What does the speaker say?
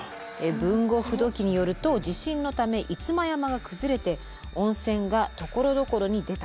「豊後風土記によると地震のため五馬山が崩れて温泉がところどころに出た」。